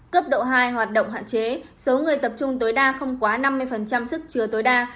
cấp độ hai hoạt động hạn chế số người tập trung tối đa không quá năm mươi sức chứa tối đa